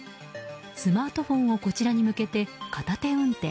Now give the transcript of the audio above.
スマートフォンをこちらに向けて片手運転。